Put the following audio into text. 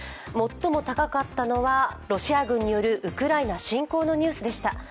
最も高かったのは、ロシア軍によるウクライナ侵攻のニュースでした。